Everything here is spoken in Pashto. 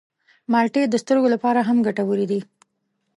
مالټې د سترګو لپاره هم ګټورې دي.